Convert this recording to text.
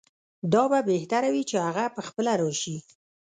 دا به بهتره وي چې هغه پخپله راشي.